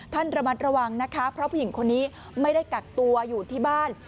ระมัดระวังนะคะเพราะผู้หญิงคนนี้ไม่ได้กักตัวอยู่ที่บ้าน